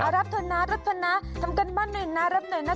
รับเถอะนะรับเถอะนะทำการบ้านหน่อยนะรับหน่อยนะ